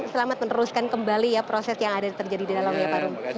selamat meneruskan kembali ya proses yang ada terjadi di dalam ya pak rum